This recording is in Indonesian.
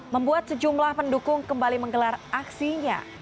membuat sejumlah pendukung kembali menggelar aksinya